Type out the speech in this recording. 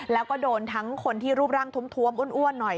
แล้วก็โดนทั้งคนที่รูปร่างทวมอ้วนหน่อย